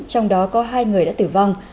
trong đó có hai người đã tử vong